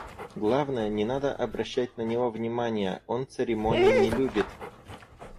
Главное, не надо обращать на него внимания: он церемоний не любит.